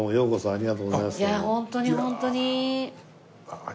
ありがとうございます。